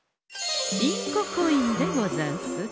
インココインでござんす。